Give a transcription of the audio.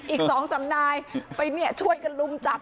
อีก๒สำนายไปช่วยกันลุมจับ